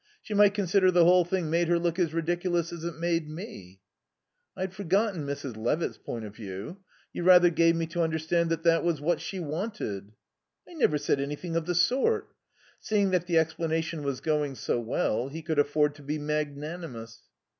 She might consider the whole thing made her look as ridiculous as it made me." "I'd forgotten Mrs. Levitt's point of view. You rather gave me to understand that was what she wanted." "I never said anything of the sort." Seeing that the explanation was going so well he could afford to be magnanimous.